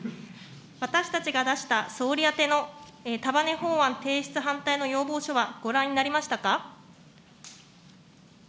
私たちが出した総理宛ての束ね法案提出反対の要望書はご覧になりましたか。